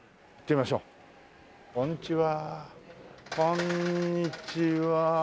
こんにちは。